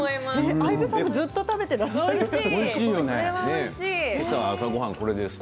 相武さんもずっと食べてらっしゃいますね。